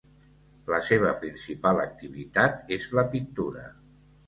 La seva principal activitat és la pintura.